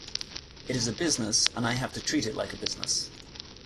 It is a business, and I have to treat it like a business.